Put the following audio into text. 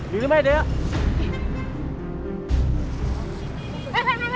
beliin aja gorengannya